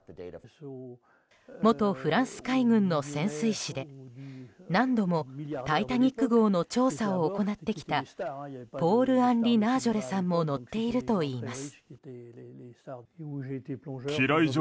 元フランス海軍の潜水士で何度も「タイタニック号」の調査を行ってきたポール・アンリ・ナージョレさんも乗っているといいます。